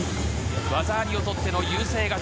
技ありをとっての優勢勝ち